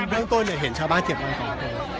ก็ไม่มีใครกลับมาเมื่อเวลาอาทิตย์เกิดขึ้น